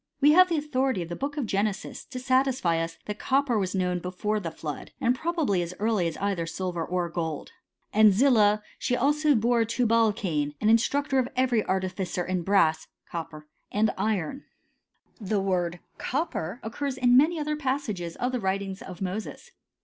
We have the authority of tfa^. Book of Genesis to satisfy us that copper was Iqiow^. before the flood, and probably as early as either silvQC. or gold. And Zillah, she also bore Tubal cain, an instruo* .'. tor of every artificer in brass (copper) and iron."* ♦ Genesis iV. 22. CHEHISTI^T Of THE AVCIB|rrS. 9$ The word copper occurs in many other psuMUtged of the writings of Moses.